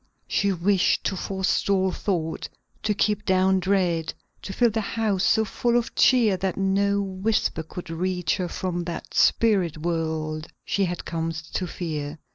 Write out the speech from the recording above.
She wished to forestall thought; to keep down dread; to fill the house so full of cheer that no whisper should reach her from that spirit world she had come to fear.